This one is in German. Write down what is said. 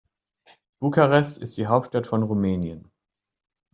Bukarest ist die Hauptstadt von Rumänien.